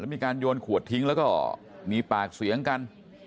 มีการโยนขวดทิ้งแล้วก็มีปากเสียงกัน